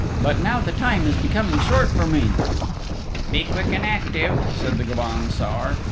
"But now the time is becoming short for me." "Be quick and active," said the Gobaun Saor.